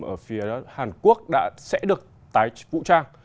ở phía hàn quốc đã được tái vũ trang